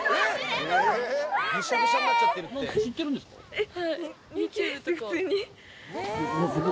えっ